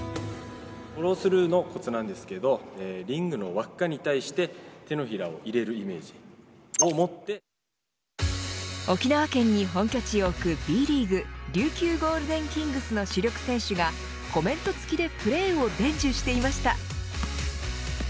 フォロースルーのコツなんですけどリングの輪っかに対して沖縄県に本拠地を置くＢリーグ琉球ゴールデンキングスの主力選手がコメント付きでプレーを伝授していました。